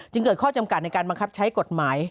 เกิดข้อจำกัดในการบังคับใช้กฎหมาย